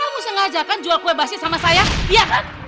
kamu sengaja kan jual kue basis sama saya iya kan